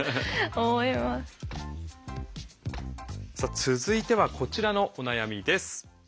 さあ続いてはこちらのお悩みです。